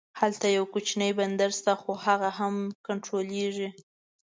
هلته یو کوچنی بندر شته خو هغه هم کنټرولېږي.